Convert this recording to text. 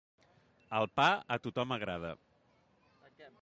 El pa a tothom agrada.